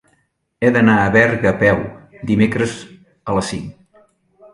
He d'anar a Berga a peu dimecres a les cinc.